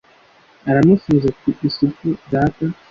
Aramusubiza ati: "Isupu, Data".